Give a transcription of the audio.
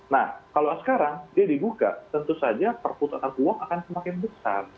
nah kalau sekarang dia dibuka tentu saja perputaran uang akan semakin besar